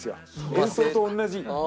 演奏と同じ。